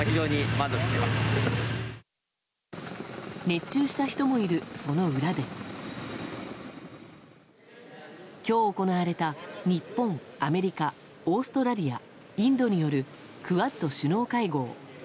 熱中した人もいる、その裏で今日行われた日本、アメリカオーストラリア、インドによるクアッド首脳会合。